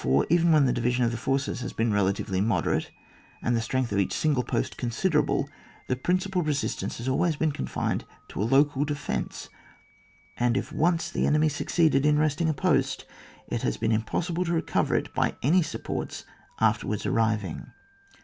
Even when the division of the forces has been relatively moderate, and the strength of each single post considerable, the principal resistance has been always confined to a local defence ; and If once the enemy succeeded in wresting a post, it has been impossible to recover it by any supports afterwards arriving.